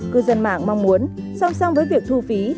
cư dân mạng mong muốn song song với việc thu phí